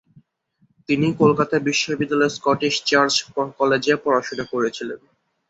তিনি কলকাতা বিশ্ববিদ্যালয়ের Scottish Church কলেজে পড়াশোনা করেছিলেন।